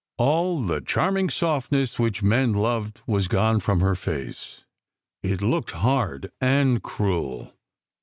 All the charming softness SECRET HISTORY 297 which men loved was gone from her face. It looked hard and cruel.